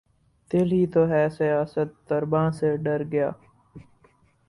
دل ہی تو ہے سیاست درباں سے ڈر گیا